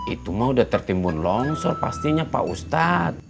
itu mau udah tertimbun longsor pastinya pak ustadz